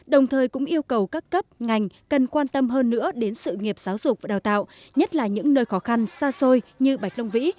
đồng thời cũng yêu cầu các cấp ngành cần quan tâm hơn nữa đến sự nghiệp giáo dục và đào tạo nhất là những nơi khó khăn xa xôi như bạch long vĩ